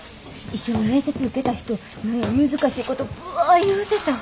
一緒に面接受けた人何や難しいことバ言うてた。